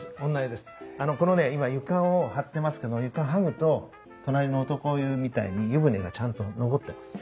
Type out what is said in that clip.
あのこのね今床を張ってますけど床剥ぐと隣の男湯みたいに湯船がちゃんと残ってます。